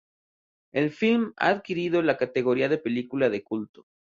El film ha adquirido la categoría de película de culto.